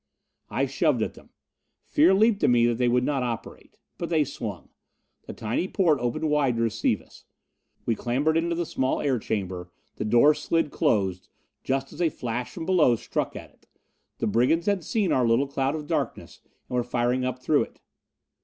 I shoved at them. Fear leaped in me that they would not operate. But they swung. The tiny porte opened wide to receive us. We clambered into the small air chamber; the door slid closed, just as a flash from below struck at it. The brigands had seen our little cloud of darkness and were firing up through it.